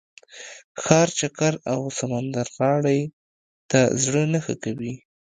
ښار چکر او سمندرغاړې ته زړه نه ښه کوي.